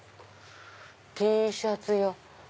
Ｔシャツ。